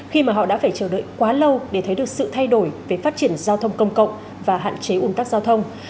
họ đã phải chờ đợi quá lâu để thấy được sự thay đổi về phát triển giao thông công cộng và hạn chế ung tắc giao thông